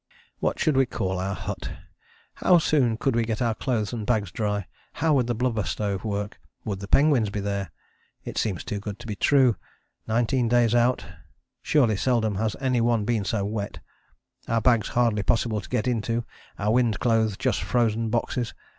What should we call our hut? How soon could we get our clothes and bags dry? How would the blubber stove work? Would the penguins be there? "It seems too good to be true, 19 days out. Surely seldom has any one been so wet; our bags hardly possible to get into, our wind clothes just frozen boxes.